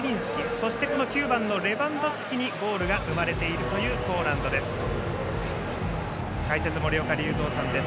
そして９番、レバンドフスキにゴールが生まれているというポーランドです。